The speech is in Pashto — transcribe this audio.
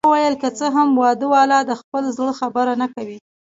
ما وویل: که څه هم واده والا د خپل زړه خبره نه کوي.